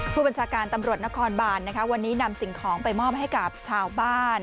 ผู้บัญชาการตำรวจนครบานนะคะวันนี้นำสิ่งของไปมอบให้กับชาวบ้าน